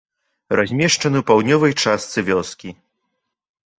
Размешчаны ў паўднёвай частцы вёскі.